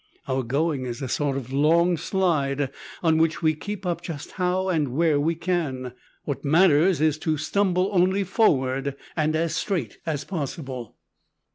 Our going is a sort of long slide, on which we keep up just how and where we can. What matters is to stumble only forward, and as straight as possible.